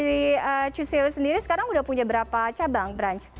di csu sendiri sekarang udah punya berapa cabang